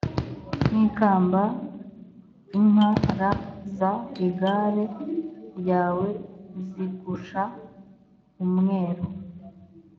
nk ikamba ink ra z igare ryawe zigusha umwero